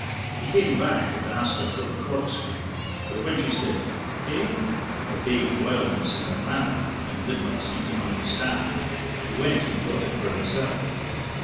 He came back and asked her for the corkscrew, but when she said "Eh?" with a vague wildness in her manner, and did not seem to understand, he went and got it for himself.